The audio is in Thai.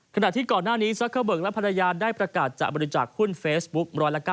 ขณะที่ก่อนหน้านี้ซักเกอร์เบิกและภรรยาได้ประกาศจะบริจาคหุ้นเฟซบุ๊ก๑๙